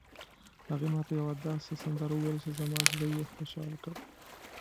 هغې ما ته یوه داسې سندره وویله چې زما زړه یې خوشحال کړ